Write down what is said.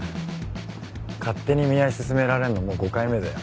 勝手に見合い勧められるのもう５回目だよ。